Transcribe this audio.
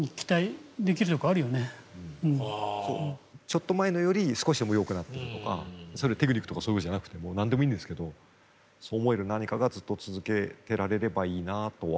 ちょっと前のより少しでもよくなったりとかテクニックとかそういうことじゃなくても何でもいいんですけどそう思える何かがずっと続けてられればいいなとは思います。